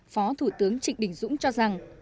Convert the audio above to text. phó thủ tướng trịnh đình dũng cho rằng